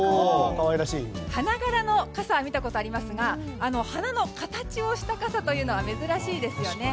花柄の傘は見たことありますが花の形をした傘というのは珍しいですよね。